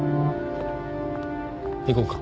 行こうか。